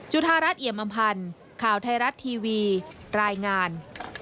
รัฐเอียมอำพันธ์ข่าวไทยรัฐทีวีรายงาน